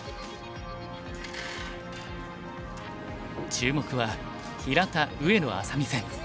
注目は平田・上野愛咲美戦。